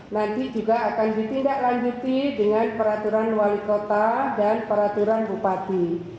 nanti juga akan ditindaklanjuti dengan peraturan wali kota dan peraturan bupati